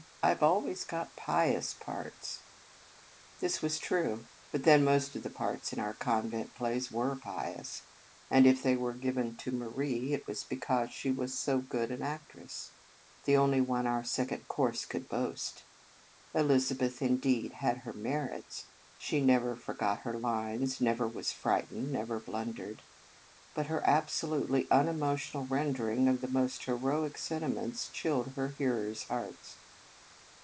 I Ve always got pious parts." 39 In Our Convent Days This was true, but then most of the parts in our convent plays were pious, and if they were given to Marie, it was because she was so good an actress, the only one our Second Cours could boast. Elizabeth, indeed, had her merits. She never forgot her lines, never was frightened, never blundered. But her absolutely unemo tional rendering of the most heroic sentiments chilled her hearers hearts.